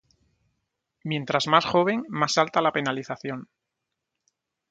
mientras más joven, más alta la penalización.